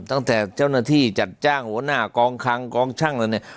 ตั้งแต่เจ้าหน้าที่จัดจ้างหัวหน้ากองคังกองช่างอะไรเนี่ย